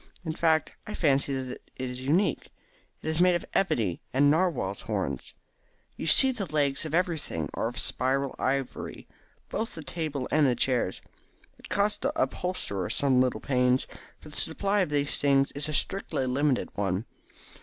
In fact, I fancy that it is unique. It is made of ebony and narwhals' horns. You see that the legs of everything are of spiral ivory, both the table and the chairs. It cost the upholsterer some little pains, for the supply of these things is a strictly limited one.